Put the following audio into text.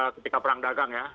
ketika perang dagang ya